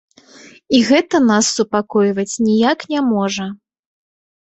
І гэта нас супакойваць ніяк не можа.